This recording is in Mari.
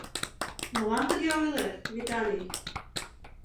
Молан тыге ойлет, Виталий?